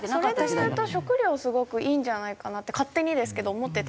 それで言うと食料すごくいいんじゃないかなって勝手にですけど思ってて。